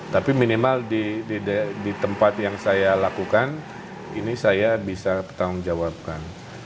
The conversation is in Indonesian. tapi minimal di tempat yang saya lakukan ini saya bisa bertanggung jawabkan